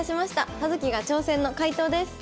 「葉月が挑戦！」の解答です。